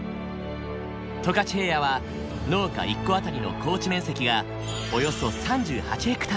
十勝平野は農家１戸あたりの耕地面積がおよそ３８ｈａ。